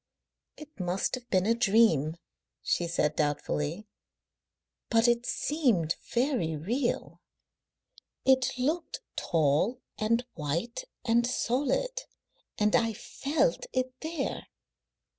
"It must have been a dream," she said doubtfully, "but it seemed very real. It looked tall and white and solid, and I felt it there."